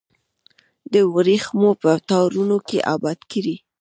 د وریښمو په تارونو کې اباد کړي